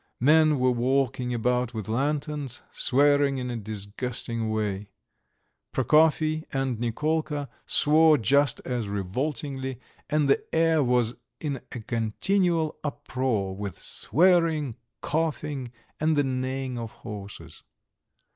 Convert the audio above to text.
Men were walking about with lanterns, swearing in a disgusting way. Prokofy and Nikolka swore just as revoltingly, and the air was in a continual uproar with swearing, coughing, and the neighing of horses.